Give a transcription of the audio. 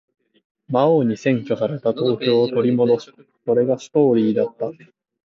魔王に占拠された東京を取り戻す。それがストーリーだった。